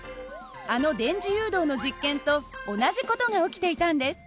あの電磁誘導の実験と同じ事が起きていたんです。